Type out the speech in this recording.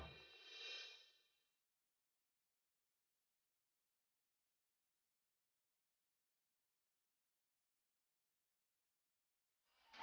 yang paling aku cintai